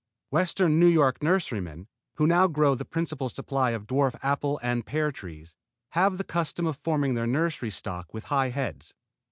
Western New York nurserymen, who now grow the principal supply of dwarf apple and pear trees, have the custom of forming their nursery stock with high heads.